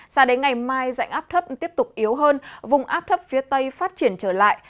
xa đến ngày mai dãy ngáp thấp tiếp tục yếu hơn vùng ngáp thấp phía tây phát triển trở lại